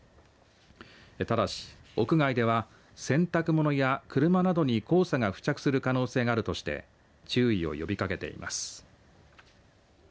ただし、屋外では洗濯物や車などに黄砂が付着する可能性があるとして注意を呼びかけています。